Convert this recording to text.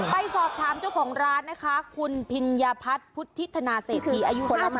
ไปสอบถามเจ้าของร้านนะคะคุณพิญญาพัฒน์พุทธิธนาเศรษฐีอายุ๖๒